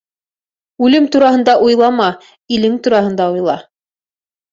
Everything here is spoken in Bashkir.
Үлем тураһында уйлама, илен тураһында уйла.